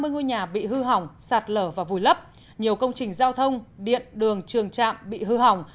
bốn trăm ba mươi ngôi nhà bị hư hỏng sạt lở và vùi lấp nhiều công trình giao thông điện đường trường trạm bị hư hỏng